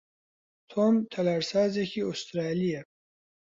تۆم تەلارسازێکی ئوسترالییە.